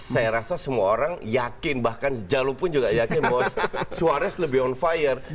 saya rasa semua orang yakin bahkan jalo pun juga yakin bahwa suarez lebih on fire